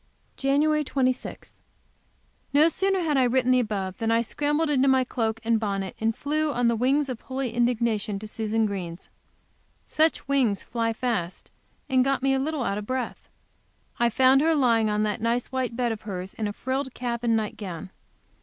JAN. 26. No sooner had I written the above than I scrambled into my cloak and bonnet, and flew, on the wings of holy indignation, to Susan Green. Such wings fly fast, and got me a little out of breath. I found her lying on that nice white bed of hers, in a frilled cap and night gown.